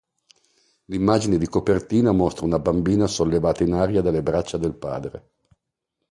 L'immagine di copertina mostra una bambina sollevata in aria dalle braccia del padre.